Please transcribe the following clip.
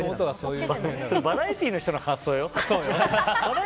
バラエティーの人の発想よ、それ。